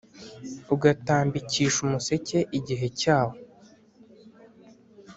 ugatambikisha umuseke igihe cyawo,